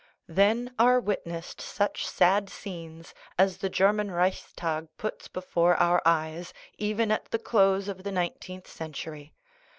Then are witnessed such sad scenes as the German Reichstag puts before our eyes even at the close of the nineteenth century.